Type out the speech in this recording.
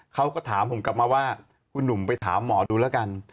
เขาก็ถามผมกลับมาว่าคุณหนุ่มไปถามหมอดูแล้วกัน